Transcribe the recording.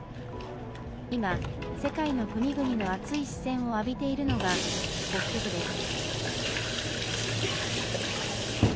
今、世界の国々の熱い視線を浴びているのが北極です。